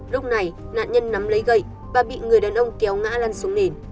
lúc này nạn nhân nắm lấy gậy và bị người đàn ông kéo ngã lăn xuống nền